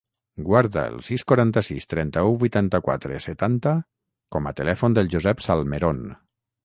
Guarda el sis, quaranta-sis, trenta-u, vuitanta-quatre, setanta com a telèfon del Josep Salmeron.